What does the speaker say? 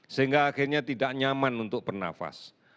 sehingga akhirnya tidak nyaman untuk bernafas